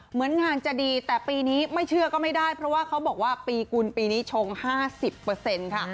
เหมือนงานจะดีแต่ปีนี้ไม่เชื่อก็ไม่ได้เพราะว่าเขาบอกว่าปีกุลปีนี้ชง๕๐ค่ะ